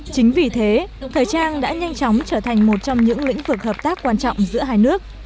chính vì thế thời trang đã nhanh chóng trở thành một trong những lĩnh vực hợp tác quan trọng giữa hai nước